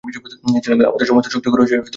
আমাদের সমস্ত শক্তি খরচ হয়েছে খাদ্যের সন্ধানে।